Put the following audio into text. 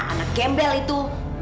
anak kembel itu